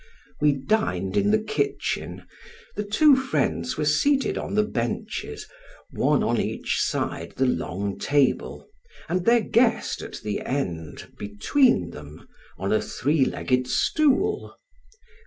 We dined in the kitchen; the two friends were seated on the benches, one on each side the long table, and their guest at the end, between them, on a three legged stool.